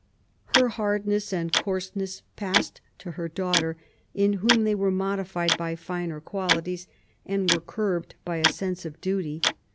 Her hardness and coarseness passed to her daughter, in whom they were modified by finer qualities, and were curbed by a sense of duty.